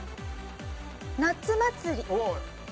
『夏祭り』。